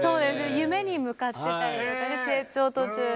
夢に向かってたりとかね成長途中の。